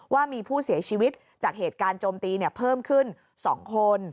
ว่ามีผู้เสียชีวิตจากเหตุการณ์โจมตีเพิ่มขึ้น๒คน